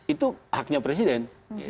itu haknya presiden